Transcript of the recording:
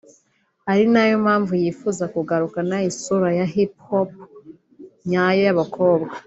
ari nayo mpamvu yifuza kugarukana isura ya hip hop nyayo y’abakobwa